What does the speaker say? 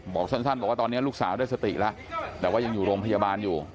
บอกสั้นบอกว่าตอนนี้ลูกสาวได้สติแล้วแต่ว่ายังอยู่โรงพยาบาลอยู่